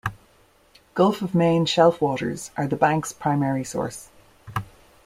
Gulf of Maine shelf waters are the Bank's primary source.